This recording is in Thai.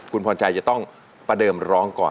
คุณพรชัยจะต้องประเดิมร้องก่อน